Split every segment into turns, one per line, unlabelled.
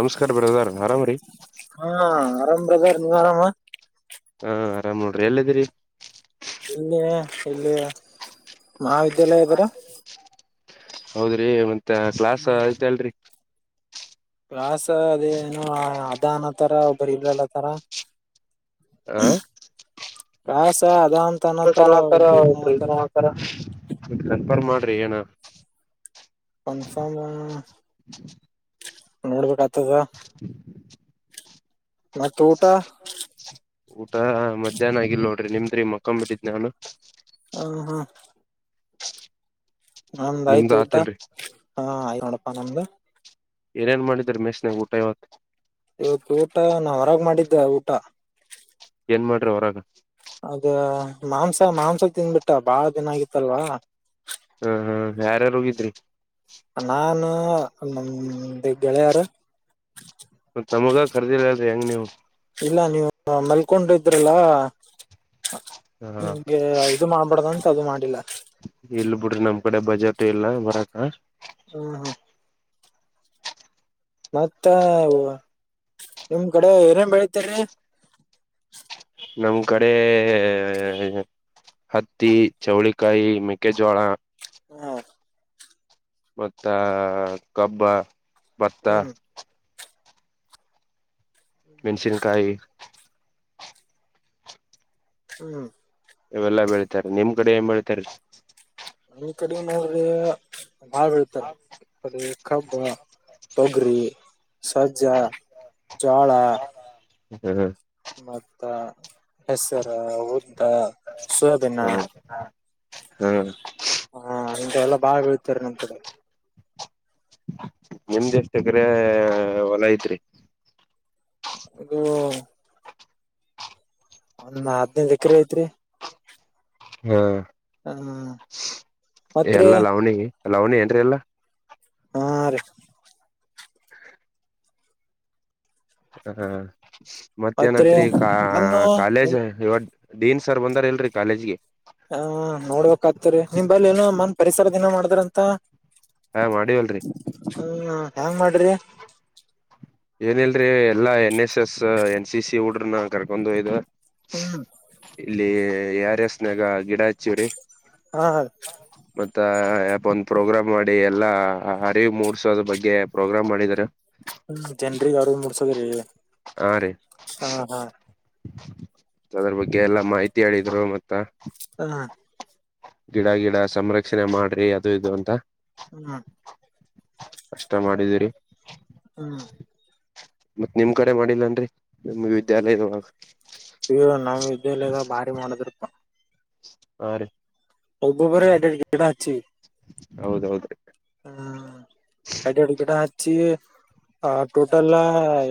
ನಮಸ್ಕಾರ ಬಡೆದರ ಆರಾಮ ರೀ
ಹಾ ಆರಾಮ್ದಾರ ನೀ ಆರಾಮ
ಹಾ ಆರಾಮ್ ನೋಡ್ರಿ ಎಲ್ಲದಿ್ರರಿ
ಇಲ್ಲಯಾ ಇಲ್ಲಯೇ
ಹೌದ್ರಿ ಮತ್ತೆ ಕ್ಲಾಸ್ ಐತೆ ಅಲ್ರಿ
ಕಾಸ ಅದೇ ಏನು ಅದ ಅನತರ ಒಬ್ಬರು ಇಲ್ಲಲ್ಲತರ
ಆಾ
ಕಸ ಅದಂತ ಅನತಾರ ಒಬ್ರ ಇಲ್ಲತಾರ
ಕನ್ಫರ್ಮ್ ಮಾಡ್ರಿ ಏನ
ಕನ್ಫಮ್ ನೋಡ್ಬೇಕ ಆತದ
[inaudible]
ಮತ್ತ
ಊಟ ಮಧ್ಯಾಹ್ನ ಆಗಿಲ್ ನೋಡ್ರಿ ನಿಮ್ದ್ರಿ ಮಕ್ಕಂಬ್ ಬಿಿಟ್ಟಿದ್ನ ನಾನು
ಹ ಹಾ ನಮ್ದ್
ನಿಮ್ದ್
ಆಯ್ತು ಊಟ
ಆತಿಲ್ರಿ
ಹಾ ಆಯ್ತ ನೋಡಪಾ ನಮ್ದು
ಏನೇನ್ ಮಾಡಿದ ಮೆಸ್ನ್ಗ ಊಟ ಇವತ್ತು
ಇವತ್ತು ಊಟ ನಾ ಹೊರಾಗ ಮಾಡಿದ್ದೆ ಊಟ
ಏನ್ ಮಾಡ್ರಿ ಹೊರಾಗ
ಅದ ಮಾಂಸ ಮಾಂಸದ ತಿನ್ಬಿಟ್ಟ ಬಾಳ ದಿನ ಆಗಿತ್ತಲ್ವಾ
ಹ್ಮ ಹ್ಮ ಯಾರಾರು ಹೋಗಿದ್ರಿ
ನಾನ ನಮ್ ಗೆಳೆಯಾರ
ಮ ತಮಗ ಖರ್ದಿರ್ದೆ ಹೆಂಗ ನೀವು
ಇಲ್ಲ ನೀವು ಮಲ್ಕೊಂಡ ಇದ್ರಲ್ಲ
ಹ
ನಿಮ್ಗೆ ಇದು ಮಾಡ್ಬಡ್ದಂತ ಅದು ಮಾಡಿಲ್ಲ
ಇಲ್ ಬಿಡ್ರಿ ನಮ್ ಕಡೆ ಬಜೆಟ್ ಇಲ್ಲಬರಕ್ಕ
ಹ್ಮ್ ಹ್ಮ್ ಮತ್ತ ನಿಮ್ ಕಡೆ ಏನೇನ್ ಬೆಳಿತರಿ
ನಮ್ ಕಡೆ ಹತ್ತಿ ಚೌಳಿಕಾಯಿ ಮೆಕ್ಕೆಜೋಳ
ಹ್ಮ
ಮತ್ತ ಕಬ್ಬ ಭತ್ತ
ಹ್ಮ್
ಮೆಣ್ಸಿನ್ಕಾಯಿ
ಹ್ಮ್
ಇವೆಲ್ಲ ಬೆಳಿತಾರೆ ನಿಮ್ ಕಡೆ ಏನ್ ಬೆಳಿತಾರೆ
ಮ ಕಡೆ ನೋಡ್ರೆ ಬಾಳ್ ಬೆಳೀತಾರಾ ಕಬ್ಬ ತೊಗರಿ ಸಜ್ಜಾ ಜೋಳ
ಹ್ಮ್ ಹ್ಮ
ಮತ್ತ ಹೆಸರು ಉದ್ದ ಸೋಬಿನ
ಹ್ಮ್
ಹಾ ಇಂತಾವೆಲ್ಲ ಬಾಳಾ ಬೆಳೀತಾರೆ ನಮ್ ಕಡೆ
ನಿಮ್ದೇಷ್ಟ ಏಕರೆ ಹೊಲ ಐತ್ರಿ
ಹ್ಮ್ ಒಂದ ಅದಿನೈದು ಎಕರೆ ಐತ್ರಿ
ಹಾ
ಹ್ಮ್ ಮತ್ರಿ
ಎಲ್ಲ ಲವಣಿ ಲವಣಿ ಏನ್ರಿ ಎಲ್ಲಾ
ಹಾ ರೀ
ಹಾ
ಮತ್ರಿ
ಮತ್ತೇನೈತ್ರಿ ಕ
ಬಂದು
ಕಾಲೇಜ್
ನಿಮ್
ಡೀನ್ ಸರ್ ಬಂದಾರ ಎಲ್ರಿ ಕಾಲೇಜ್ಗೆ
ಹ ನೋಡ್ಬೇಕಕ್ ಆಗ್ತರಿ ನಿಮಲ್ಲಿ ಏನೋ ಮನ್ ಪರಿಸರದ ದಿನ ಮಾಡಿದ್ರ ಅಂತ
ಹಾ ಮಾಡೀವಲ್ರರಿ
ಹ್ಮ್ ಹೆ್ಯಾಂಗ್ ಮಾಡ್ರಿ
ಏನಲ್ರಿ ಎಲ್ಲಾ N S S N C C ಹುಡುಗರನ್ನ ಕರ್ಕೊಂಡು ಹೋಗಿದ್ರು
ಹ್ಮ್
ಇಲ್ಲಿ ಯಾರ ಎಸ್ನಾಗ ಗಿಡ ಹಚ್ಚಿರಿ
ಹಾ ಹಾ
ಮತ್ತ ಯಪ ಒಂದ ಪ್ರೋಗ್ರಾಮ್ ಮಾಡಿ ಎಲ್ಲಾ ಅರಿವು ಮೂಡಸೋದ್ ಬಗ್ಗೆ ಪ್ರೋಗ್ರಾಮ್ ಮಾಡಿದ್ರ
ಹ್ಮ ಜನ್ರಿಗೆ ಅರಿವು ಮೂಡ್ಸೋದ್ರ
ಹಾ ರೀ ಅದ್ರ ಬಗ್ಗೆ ಎಲ್ಲಾ ಮಾಹಿತಿ ಹೇಳಿದ್ರು ಮತ್ತ
ಹಾ
ಗಿಡ ಗಿಡ ಸಂರಕ್ಷಣೆ ಮಾಡ್ರಿ ಅದು ಇದು ಅಂತ
ಹ್ಮ
ಅಷ್ಟ ಮಾಡಿದೀರಿ
ಹ್ಮ
ಮತ್ತತ್ ನಿಮ್ ಕಡೆ ಮಾಡಿಲ್ಲಾನ್ರರಿ ನಿಮ್ ವಿದ್ಯಾಲಯದೊಳಗ
ಇ ನಾವ್ ಇದಲ್ಲ ಭಾರಿ ಮಾಡೋದ್ರ
ಹಾ ರೀ
ಒಬ್ಬೊರೇ ಎರಡೆರಡು ಗಿಡ ಹಚ್ಚಿವಿ
ಹೌದೌದು
ಹ್ಮ್ ಗಡ ಅಡು ಗಿಡ ಹಚ್ಚಿ ಆ ಟೋಟಲ್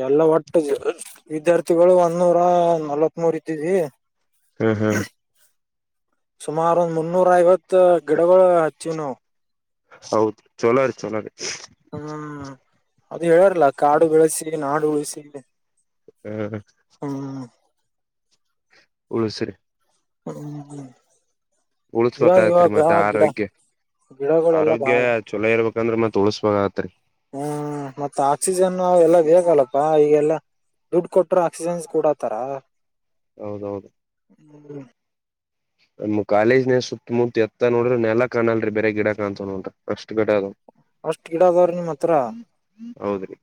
ಎಲ್ಲಟ್ಟ ವಿದ್ಯಾರ್ಥಿಗಳು ಒಂದ ನೂರ ನಲವತ್ ಮೂರ್ ಇದ್ದಿದ್ವಿ
ಹಾ ಹಾ
ಸುಮಾರ ಒಂದ್ ಮುನ್ನೂರ ಐವತ್ ಗಿಡಗಳು ಹಚ್ಚಿವ ನಾವು
ಹೌದು ಚೋಲೋರಿ ಚೋಲೋರಿ
ಹ್ಮ್ ಅದು ಹೇಳಾರಲ್ಲ ಕಾಡು ಬೆಳೆಸಿ ನಾಡು ಉಳಸಿ
ಹ್ಮ್ ಉಳಸಿರೆ
ಇವಾಗ
ಉಳಸ್ಬೇಕಾಗತ್ರಿ
ಇವಾಗಾ
ಮತ್ತೆ
ಗಿಡ ಗಿಡಗಳೆಲ್ಲ ಬಹಾಳ
ಚೊಲ ಇರ್ಬೇಕಂದ್ರ ಮತ್ತೆ ಉಳಸಸ್ಬೇಕಾಗತ್ರಿ
ಹ್ಮ್ ಮತ್ತ ಆಕ್ಸಿಜನ್ ಅವ ಎಲ್ಲಾ ಬೇಕಲ್ಲಪ್ಪಾ ಈಗೆಲ್ಲ ದುಡ್ಡು ಕೊಟ್ರ ಆಕ್ಸಿಜನ್ಸ್ ಕೂಡತಾರ
ಹೌದೌದು
ಹ್ಮ್
ನ್ ಕಾಲೇಜ್ನ ಸುತ್ತಮುತ್ತತ್ ಎತ್ತ ನೋಡ್ರಿ ನೆಲ ಕಾಣಲ್ರಿ ಬೇ ಗಿಡ ಕಾಣ್ತವ ನೋಡ್ರಿ ಅಷ್ಟ್ ಗಿಡ ಅದು
ಅಷ್ಟ್ ಗಿಡದವ್ರ ನಿಮ್ಮ ಹತ್ರ
ಹೌದ್ರಿ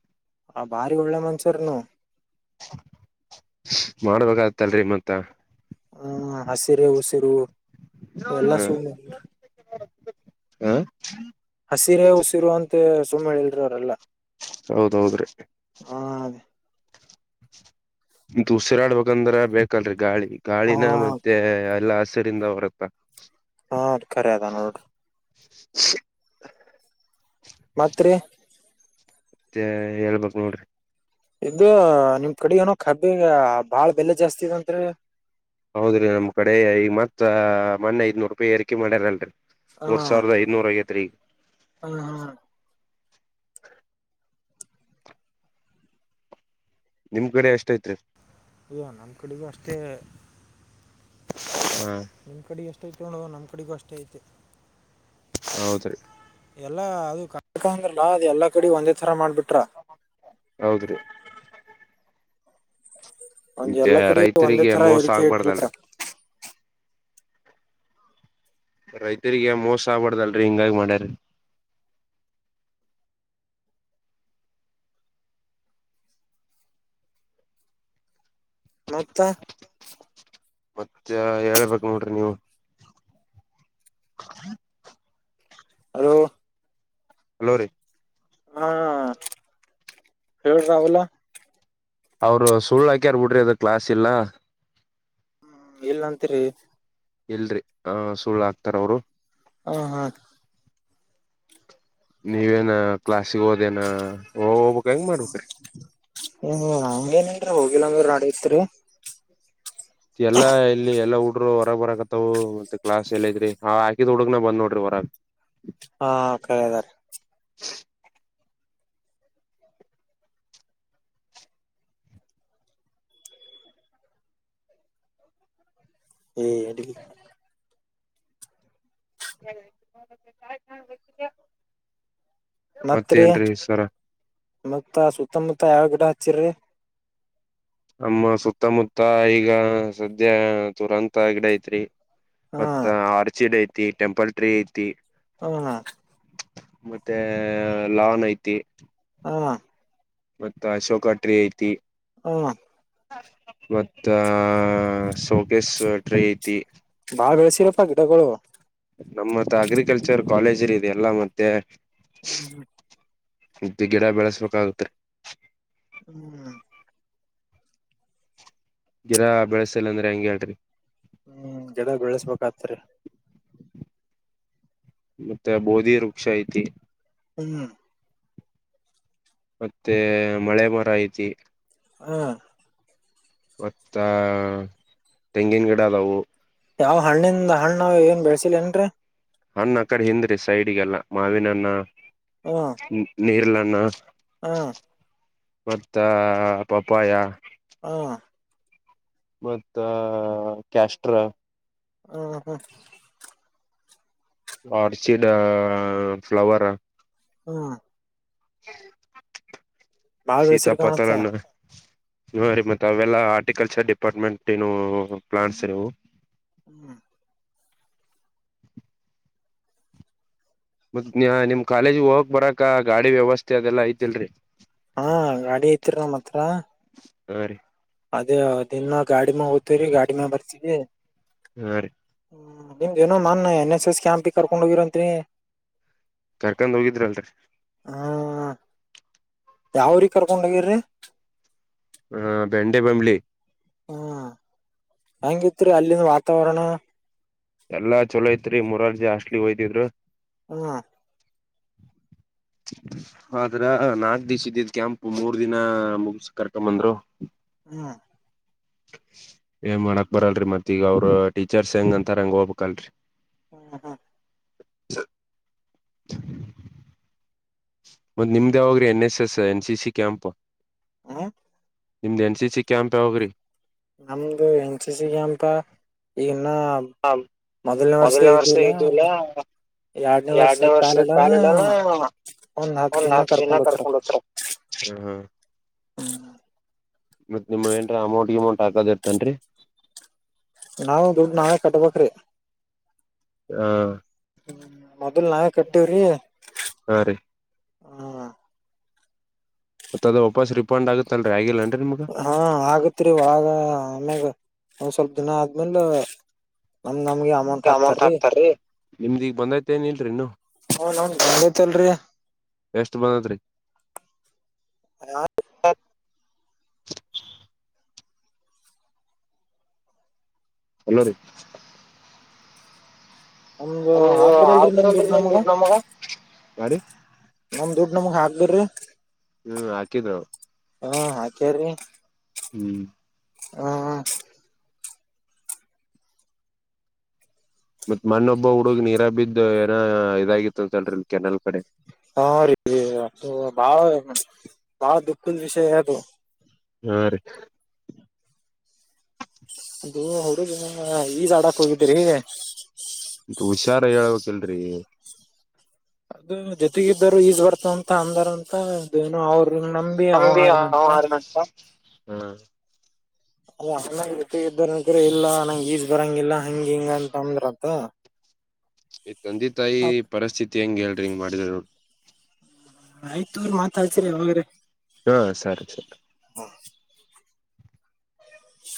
ಆ ಬಾರಿ ಒಳ್ಳೆ ಮನ್ಷವ್ರನು
ಮಾಡ್ಬೇಕಾಗತ್ತಲ್ರಿ ಮತ್ತ
ಹ ಹಸಿರೆ ಉಸಿರು ಎಲ್ಲಾ ಸು ಮಾಡರಿ
ಹ
ಹಸಿರೇ ಉಸಿರು ಅಂತ ಸುಮ್ಮನೆ ಹೇಳಲ್ರಿ ಅವರೆಲ್ಲ
ಹೌದೌದ್ರಿ
ಹಾ ಅದ
ಉಸಿರಾಡ್ಬೇಕಂದ್ರ ಬೇಕಲ್ರರಿ ಗಾಳಿ
ಹ
ಗಾಳಿನ ಮತ್ತೆ ಎಲ್ಲಾ ಹಸಿರಿಂದ ಹೊರತ್ತ [unintelligible]
ಹಾದ್ ಕರೆ ಅದ ನೋಡ್ರಿ
ಸ
ಮತ್ರಿ
ಮತ್ತೆ ಹೇಳ್ಬಕ್ ನೋಡ್ರಿ
ಇದೂ ನಿಮ್ ಕಡೆ ಏನೋ ಕಬ್ಬಿಗೆ ಬಾಳ ಬೆಲೆ ಜಾಸ್ತಿ ಇದಂತರಿ
ಹೌದ್ರಿ ನಮ್ ಕಡೆ ಈ ಮತ್ ಮೊನ್ನೆ ಐದನೂರು ರೂಪಾಯಿ ಏರಿಕೆ ಮಾಡ್ಯಾರಲ್ರರಿ ಮೂರ್ ಸಾವಿರದ ಐ ನೂರಐವತ್ತು ರೀ
ಹ್ಮ ಹ್ಮ
ನಿಮ್ ಕಡೆ ಎಷ್ಟ ಐತ್ರಿ
ಈದು ನಮ್ಮ ಕಡೆಗೂ ಅಷ್ಟೇ
ಹ್ಮ್
ನಿಮ್ ಕಡೆ ಎಷ್ಟ ಐತ ನೋಡ ನಮ್ ಕಡೆಗೂ ಅಷ್ಟೇ ಐತೆ
ಹೌದ್ರೀ
ಎಲ್ಲಾ ಅದು ಕನ್ಫರ್ಮ್ ಇರ್ಲಾ ಅದು ಎಲ್ಲಾ ಕಡೆ ಒಂದೇ ತರ ಮಾಡ್ಬಿಟ್ರ
ಹೌದ್ರಿ
ಒಂದ್
ಮತ್ತೆ
ಎಲ್ಲಾ ಕಡೆ ಒಂದೇ
ರೈತರಿಗೆ
ತರ
ಮೋಸ
ಏರಿಕೆ ಇಟ್ಬಿಟ್ಟ
ಆಗ್ಬಾರ್ದಲ್ರರಿ ರೈತರಿಗೆ ಮೋಸ ಆಬಾರ್ದಲ್ರರಿ ಹಿಂಗಾಗಿ ಮಾಡ್ಯಾರರಿ
ಮತ್ತ
ಮತ್ತೆ ಹೇಳ್ಬೇಕು ನೋಡ್ರಿ ನೀವು
ಅ
ಹಲೋ ರರಿ
ಹಾ ಹೇಳಳ್ ರಹುಲ
ಅವ್ರು ಸುಳ್ಳು ಹಾಕ್ಯಾರ್ ಬಿಡ್ರ ಅದು ಕ್ಲಾಸ್ ಇಲ್ಲ
ಇಲ್ಲ ಅಂತರಿ
ಎಲ್ರರಿ ಆ ಸುಳ್ಳು ಹಕ್ತಾರ ಅವರು
ಹ ಹಾ
ನೀವೇನ ಕ್ಲಾಸ್ಿಗೆ ಹೋದೇನ ಹೋಗ್ಬಕ್ ಹೆಂಗ್ ಮಾಡ್ಬೇಕ್ರೀ
ಹ್ಮ್ ನಂಗ ಏನನ್ರರಿ ಹೋಗಿಲ್ಲಂದ್ ನಾಡಐತ್ರಿ
ಎಲ್ಲಾ ಇಲ್ಲಿ ಎಲ್ಲಾ ಊ ನೋಡ ಹೊರಗ್ ಬರಕತ್ತವತ್ತತ್ ಕ್ಲಾಸ್ ಎಲ್ಲೈ್ರರಿ ಹಾ ಹಾಕಿದ್ ಹುಡುಗ್ನ ಬಂದ ನೋಡ್ರಿ ಹೊರಗ್
ಹಾ ಕಳದಾರೆ ಹ್ಮ ಅ
[inaudible]
ಮತ್ರಿ
ಮತ್ತೇನ್ರೀ ಸರ
ಮತ್ತ ಸುತ್ತಮುತ್ತ ಯಾವ ಗಿಡ ಹಚ್ಚಿರರಿ
ಅಮ್ಮ ಸುತ್ತಮುತ್ತ ಈಗ ಸದ್ಯ ತುರಂತ ಗಿಡ ಐತ್ರಿ
ಹಾ
ಮತ್ತ ಆರ್ಚಿಡ್ ಐತಿ ಟೆಂಪಲ್ ಟ್ರೀ ಐತಿ
ಹ ಹಾ
ಮತ್ತೆ ಲಾನ್ ಐತಿ
ಆ
ಮತ್ತ ಅಶೋಕ ಟ್ರಿ ಐತಿ
ಹ
ಮತ್ತ ಸೌಕೆಸ್ ಟ್ರೀ ಐತಿ
ಬಾಳ ಬೆಳೆಸಿರಪ್ಪಾ ಗಿಡಗಳು
ನಮ್ಮತ್ ಅಗ್ರಿಕಲ್ಚರ್ ಕಾಲೇಜ ಇದೆ ಎಲ್ಲಾ ಮತ್ತೆ
[unintelligible]
ಇದ್ದ ಗಿಡ ಬೆಳೆಸ್ಬೇಕಾಗತ್ರಿ
[unintelligible]
ಗಿರಾ ಬೆಳೆಸಿಲ್ಲ ಅಂದ್ರೆ ಹೆಂಗೆ ಹೇಳ್ರಿ
ಹ್ಮ್ ಗಡ ಬೆಳೆಸ್ಬೇಕ ಆತ್ರಿ
ಮತ್ತೆ ಬೋಧಿ ವೃಕ್ಷ ಐತಿ
ಹ್ಮ
ಮತ್ತೆ ಮಳೆ ಮರ ಐತಿ
ಹ್ಮ
ಮತ್ತ ತೆಂಗಿನ ಗಿಡ ಅದವು
ಯಾವ್ ಹಣ್ಣಿಂದ ಹಣ್ಣ ನ್ ಏನ್ ಬೆಳಳ್ಸಿಲ್ಲ ನ್ರರಿ
ಹಣ್ಣ ಅ ಕಡೆ ಹಿಂದ್ರಿ ಸೈಡ್ಗೆಲ್ಲ ಮಾವಿನನ್ನ ನೀರ್ಲನ್ನ
ಹಾ
ಮತ್ತ ಪಪ್ಪಾಯ
ಹಾ
ಮತ್ತ ಕ್ಯಾಸ್ಟ್ರಾ
ಹ ಹ
ಆರ್ಚಿಡ್ ಫ್ಲವರ್
ಹ್ಮ ಬಾಳ್ ಬೆಳಸಿರ್ ಕಾಣತ್ತ
ಸೀತಾಪತಳನ್ನ ಹ ರೀ ಮತ್ತತ್ ಅವೆಲ್ಲ ಆಾರರ್ಟಿಕಲ್ಚರ್ ಡಿಪಾರ್ಟ್ಮೆಂಟ್ ಏನು ಪ್ಲಾಂಟ್ಸ್ ರೀವು
ಹ್ಮ್
ಮತ್ತ ನಿಮ್ ಕಾಲೇಜ್ ಹೋಗಕ್ ಬರಾಕ ಗಾಡಿ ವ್ಯವಸ್ಥೆ ಅದೆಲ್ಲ ಐತಿಲ್ರರಿ
ಹಾ ಗಾಡಿ ಐತ್ರು ನಮ್ಮ್ ಹತ್ರ
ಹಾ ರೀ
ಅದೇ ದಿನ ಗಾಡಿ ಮ ಹೋಗ್ತವ್ರರಿ ಗಾಡಿ ಮ ಬರ್ತವಿ
ಹಾ ರೀ
ಹ್ಮ ನಿಮ್ದ ಏನೋ ಮೊನ್ನ ಎನ್ ಎಸ್ ಎಸ್ ಕ್ಯಾಂಪಿಗೆ ಕರ್ಕೊಂಡು ಹೋಗಿರೋಂತನಿ
ಕರ್ಕೊಂಡ್ ಹೋಗಿದ್ರಿ ಅಲ್ರರಿ
ಹ್ಮ ಯಾವೂರಿಗೆ ಕರ್ಕೊಂಡೋಗಿರಿ
ಹಾ ಬೆಂಡೆ ಬಂಬ್ಳಲಿ
ಹ್ಮ ಹೆಂಗಿತ್ರಿ ಅಲ್ಲಿಂದ ವಾತಾವರಣ
ಎಲ್ಲ ಚಲೋ ಐತ್ರಿ ಮೊರಾರ್ಜಿ ಹಾಸ್ಟ್ಲಿ ಹೋಯತಿದ್ರು
ಹ್ಮ
ಆದದ್ರ ನಾಕು ದೀಸ ಇದ್ದಿದ್ದ್ ಕ್ಯಾಂಪ್ ಮೂರ್ ದಿನ ಮುಗಸ ಕರ್ಕೊಂದ್ರು
ಹ್ಮ್
ಸ ಏನ್ ಮಾಡಕ್ ಬರಲ್ರರಿ ಮತ್ತೀಗ ಅವರು ಟೀಚರ್ಸ್ ಹೆಂಗ ಅಂತಾರ ಹೆಂಗ್ ಹೋಗ್ಬೇಕಲ್ರರಿ
ಹ್ಮ್ ಹ್ಮ್
ಸ ಮತ್ತ್ ನಿಮ್ದ ಹೋಗ್ರ N S S N C C ಕ್ಯಾಂಪ
ಹ್ಮ
ನಿಮ್ದ ಎನ್ ಸಿಿಸಿ ಕಾಮ ಯಾವಗ್ರಿ
ನಮ್ದು ಎನ್ ಸಿ ಸಿ ಕ್ಯಾಂಪ ಈಗನ್ನ
ಹ ಮೊದಲನೇ ವರ್ಷ ಇದ್ದಲ್ಲ
ಎರಡನೇ
ಎರಡ್ನೇ ವರ್ಷದ
ಕಾಲಿಡನ
ಕಾಲಡಾನ
ಹತ್
ಒಂದ್
ದಿನ
ನಾಕ ಜನ
ಕರ್ಕೊಂಡ್ ಹೋಗ್ತಾರ
ಕರ್ಕೊಂಡತ್ ಹ್ಮ ಹ್ಮ ಮತ್ತ ನಿಮ್ ಏನ್ರಿ ಅಮೌಂಟ್ ಗಮೌಂಟ್ ಹಾಕದ ಇರ್ತನ್ರಿ
ನಾವವು ದುಡ್ ನಾವೇ ಕಟ್ಬೇಕ್ರೀ
ಹ
ಹ್ಮ ಮೊದಲ್ ನಾವೇ ಕಟ್ಟಿವವ್ರಿ
ಹಾ ರೀ ಮತ್ತ ಅದು ವಾಪಸ್ ರಿಫಂಡ್ ಆುತ್ತತ್ತಲ್ರಿ ಆಗಿಲ್ಲ ಅ್ರ ನಿಮ್
ಹಾ ಆಗತ್ರಿೀ ಆಾಗ ಆಮ್ಯಾಗ ಒ್ ಸ್ವಲ್ಪ ದಿನ ಆದ್ಮೇಲೆ ನಮ್ ನಮ್ಗೆ
ಂತತ್ ಹಾಕ್ತಾರೀ ನಿಮ್ದಿಗ್ ಬಂದೈತೆ ಏನ್ನ್ರರಿನು
ಹ ನ ನೈತಲ್ರಿ
ಎಷ್ಟ್ ಬಂದದ್ರರಿ
ಹ
ಎಲ್ಲೋ ರ
ನಮ್ದು
ನ
ಹಾಕ್ದ್ರಲ್ರಿ ನಮ್
ಆ್ರಲ್
ದುಡ್ಡು
ನ ನಮಗ
ನಮ್ ದುಡ್ ನಮ್ಗ್ ಹಾಬ್ರರಿ
ಹ್ಮ್ ಹಾಕಿದ್
ಹಾ ಹಾಕ್ಯ್ರೀ
ಹ್ಞೂ
ಹ್ಮ ಹ
ಮತ್ ಮಣ್ಣೊಬ್ಬ ಹುಡುಗ್ ನೀರ ಬಿದ್ದು ಏನ ಇದಾಗಿತ್ತ ಅಂತಲ್ರಿ ಕೆನೆಲ್ ಕಡೆ
ಹಾ ರೀ ಅದು ಬಾಳ ಬಾಳ ದುಃಖದ ವಿಷಯ ಅದು
ಹಾ ರೀ
ಇದು ಹುಡುಗ ಈಜಅಡಕ ಹೋಗಿದ್ದರಿ
ಹುಷಾರ ಹೇಳ್ಬೇಕಿಲ್ರಿ
ಅದು ಜೊತೆಗ್ದರು ಈಜ್ ಬರ್ತ ಅಂತ ಅಂದಾರ ಅಂತ ಅದೆನೋ ಅವರು ನಮ
ತಮ್ಮನಂದಿ ಅರಗಂಟ
ಅವ ಅಣ್ಣನ್ ಜೊತೆ ಇದೋರ್ಅಂತ್ರ ಇಲ್ಲ ನಂಗಗೆ ಈಜ್ ಬರಂಗಿಲ್ಲ ಹಂಗ ಹಿಂಗ ಅಂತ ಅಂದ್ರತ
ಈ ತಂದೆ ತಾಯಿ ಪರಿಸ್ಥಿತಿ ಹೆಂಗ ಹೇಳ್ರಿ ಇಂಗ ಮಾಡಿದ್ರ
ಆಯ್ತು ಅವರು ಮಾತಾಡ್ತರ್ ಹೋಗ್ರಿ
ಹಾ ಸರಿ ಸರಿ
ಶ್